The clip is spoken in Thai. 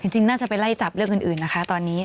จริงน่าจะไปไล่จับเรื่องอื่นนะคะตอนนี้